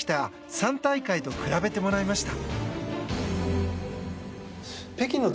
３大会と比べてもらいました。